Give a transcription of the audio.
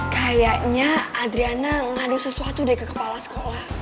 kayaknya adriana ngadu sesuatu deh ke kepala sekolah